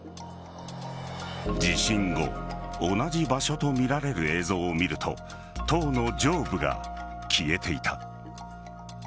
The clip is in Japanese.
地震後同じ場所とみられる映像を見ると塔の上部が消えていた。